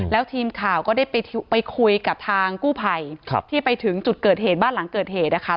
แล้วทีมข่าวก็ได้ไปคุยกับทางกู้ภัยที่ไปถึงจุดเกิดเหตุบ้านหลังเกิดเหตุนะคะ